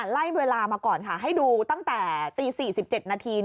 ไล่เวลามาก่อนค่ะให้ดูตั้งแต่ตี๔๗นาที